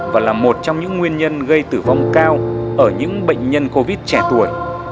và là một trong những nguyên nhân gây tử vong cao ở những bệnh nhân covid trẻ tuổi